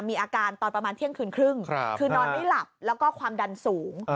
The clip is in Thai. มีอาการตอนประมาณเที่ยงคืนครึ่งคือนอนไม่หลับแล้วก็ความดันสูง